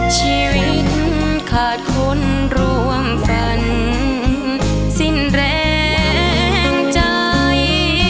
ชีวิตขาดคนร่วมกันสิ้นแรงใจ